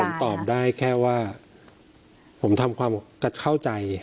ผมตอบได้แค่ว่าผมทำความเข้าใจ